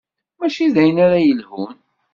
Mačči d ayen ara yelhun.